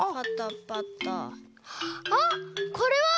あっこれは！